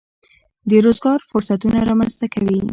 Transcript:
د روزګار فرصتونه رامنځته کوي.